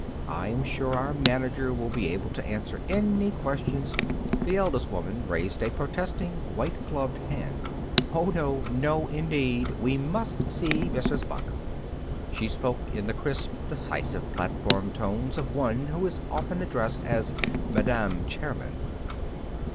I'm sure our manager will be able to answer any questions " The eldest women raised a protesting, white gloved hand. "Oh, no no, indeed! We must see Mrs. Buck." She spoke in the crisp, decisive platform tones of one who is often addressed as "Madam Chairman."